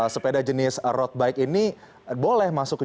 sepeda jenis road bike ini boleh masuk jalan tol ini